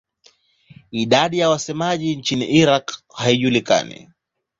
Idadi ya wasemaji nchini Iraq haijulikani.